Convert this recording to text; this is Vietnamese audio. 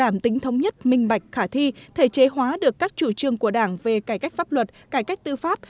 minh bạch khả thi thể chế hóa được các chủ trương của đảng về cải cách pháp luật cải cách tư pháp